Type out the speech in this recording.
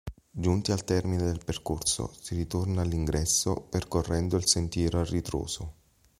Giunti al termine del percorso, si ritorna all'ingresso percorrendo il sentiero a ritroso.